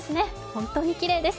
本当にきれいです。